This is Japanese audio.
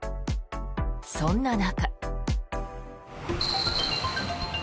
そんな中。